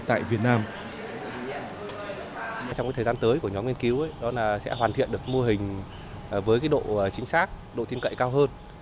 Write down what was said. trong thời gian tới của nhóm nghiên cứu đó là sẽ hoàn thiện được mô hình với độ chính xác độ tin cậy cao hơn